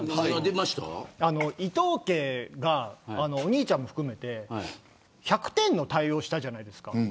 伊藤家がお兄ちゃんを含めて１００点の対応をしたじゃないですか。